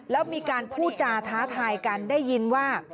แล้วมีการพูดจาท้าทายกันได้ยินว่า